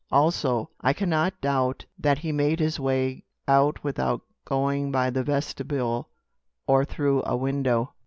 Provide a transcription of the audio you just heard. Also, I can not doubt that he made his way out without going by the vestibule or through a window."